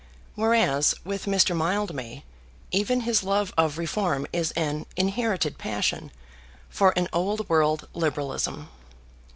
Whereas, with Mr. Mildmay, even his love of reform is an inherited passion for an old world Liberalism.